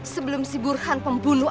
sebelum si burhan pembunuh